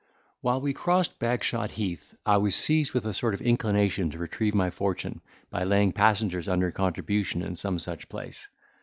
While we crossed Bagshot Heath, I was seized with a sort of inclination to retrieve my fortune, by laying passengers under contribution in some such place.